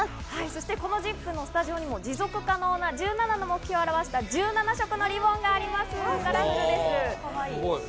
そしてこのＺＩＰ！のスタジオにも持続可能な１７の目標を表した１７色のリボンがあすごい。